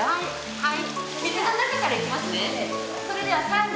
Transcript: はい。